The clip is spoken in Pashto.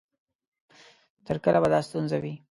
تر کله به دا ستونزه وي؟